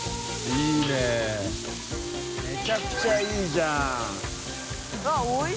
海めちゃくちゃいいじゃない。